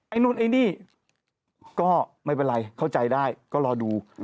นู่นไอ้นี่ก็ไม่เป็นไรเข้าใจได้ก็รอดู